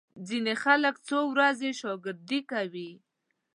ځینې خلک څو ورځې شاګردي کوي.